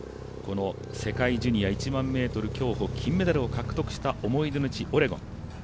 この世界ジュニア１００００ｍ競歩金メダルを獲得した思い出の地・オレゴン。